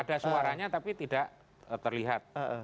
ada suaranya tapi tidak terlihat